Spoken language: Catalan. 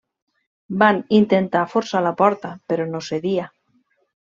Van intentar forçar la porta, però no cedia.